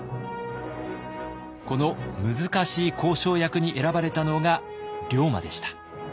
この難しい交渉役に選ばれたのが龍馬でした。